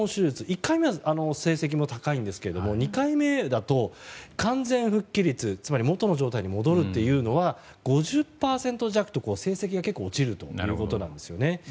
１回目は成績も高いんですけど２回目だと完全復帰率つまり元の状態に戻るというのは５０％弱と成績が落ちるということです。